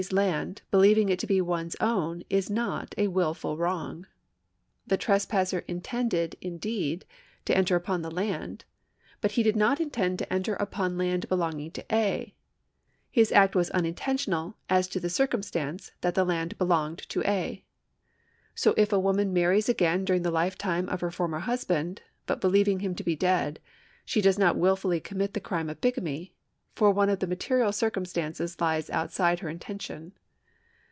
's land believing it to be one's own is not a wilful wrong. The trespasser in tended, indeed, to enter upon the land, but he did not intend to enter upon land belonging to A. His act was unintentional as to the circumstance that the land belonged to A. So if a woman marries again during the lifetime of her former husband, but believing him to be dead, she does not wilfully commit the crime of bigamy, for one of the material circum stances lies outside her intention.